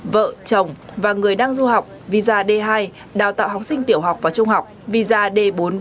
vợ chồng và người đang du học visa d hai đào tạo học sinh tiểu học và trung học visa d bốn mươi